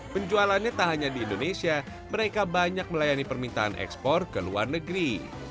penjualannya tak hanya di indonesia mereka banyak melayani permintaan ekspor ke luar negeri